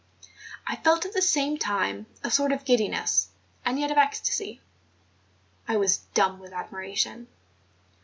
I felt at the same time a sort of giddiness and yet of ecstasy: I was dumb with admiration.